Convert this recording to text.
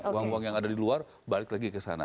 uang uang yang ada di luar balik lagi ke sana